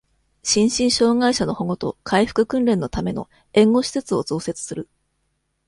心身障害者の保護と、回復訓練のための、援護施設を増設する。